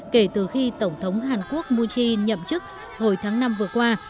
kể từ khi tổng thống hàn quốc moon jae nhậm chức hồi tháng năm vừa qua